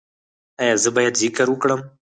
ایا زه باید ذکر وکړم؟